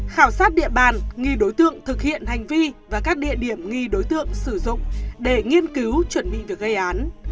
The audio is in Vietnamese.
khảo sát địa bàn nghi đối tượng thực hiện hành vi và các địa điểm nghi đối tượng sử dụng để nghiên cứu chuẩn bị việc gây án